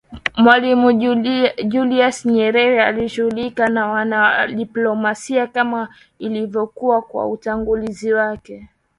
Mwalimu Julius Nyerere akishughulika na wana diplomasia kama ilivyokuwa kwa watangulizi wake